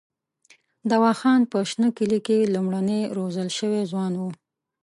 دوا خان په شنه کلي کې لومړنی روزل شوی ځوان وو.